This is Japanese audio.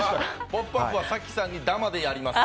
「ポップＵＰ！」は早紀さんにダマでやります。